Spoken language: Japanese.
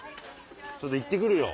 ちょっと行って来るよ。